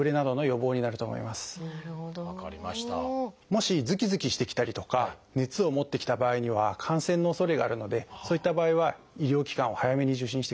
もしズキズキしてきたりとか熱を持ってきた場合には感染のおそれがあるのでそういった場合は医療機関を早めに受診してください。